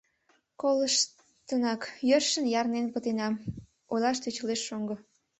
Колыштынак, йӧршын ярнен пытенам, — ойлаш тӧчылеш шоҥго.